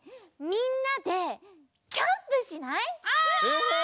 みんなでキャンプしない？